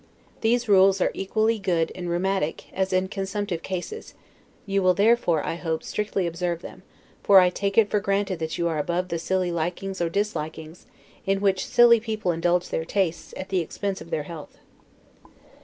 These rules are equally good in rheumatic as in consumptive cases; you will therefore, I hope, strictly observe them; for I take it for granted that you are above the silly likings or dislikings, in which silly people indulge their tastes, at the expense of their health.